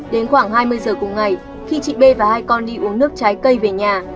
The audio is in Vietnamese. đến khoảng hai mươi giờ cùng ngày khi chị b và hai con đi uống nước trái cây về nhà